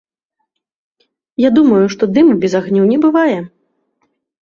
Я думаю, што дыму без агню не бывае.